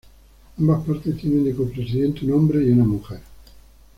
Ambas partes tienen de co-presidentes un hombre y una mujer.